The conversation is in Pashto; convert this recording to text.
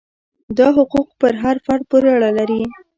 دا حقوق پر هر فرد پورې اړه لري.